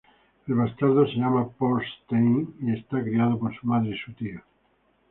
El bastardo se llama Þorsteinn y es criado por su madre y su tío.